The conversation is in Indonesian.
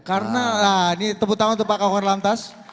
karena nah ini tepuk tangan untuk pak khor lantas